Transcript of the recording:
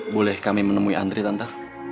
boleh kami menemui andri tante